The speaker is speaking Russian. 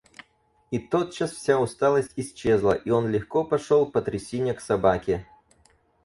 И тотчас вся усталость исчезла, и он легко пошел по трясине к собаке.